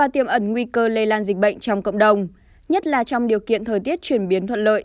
trong cộng đồng nhất là trong điều kiện thời tiết chuyển biến thuận lợi